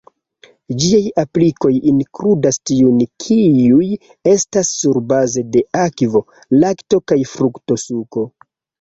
Ĝiaj aplikoj inkludas tiujn kiuj estas surbaze de akvo, lakto kaj frukto-suko.